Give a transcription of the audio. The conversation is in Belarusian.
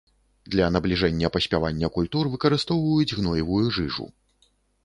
Для набліжэння паспявання культур выкарыстоўваюць гноевую жыжу.